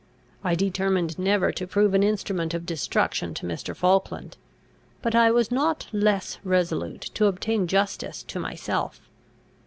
I determined never to prove an instrument of destruction to Mr. Falkland; but I was not less resolute to obtain justice to myself.